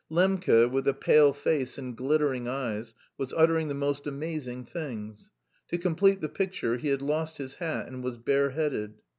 Lembke, with a pale face and glittering eyes, was uttering the most amazing things. To complete the picture, he had lost his hat and was bareheaded.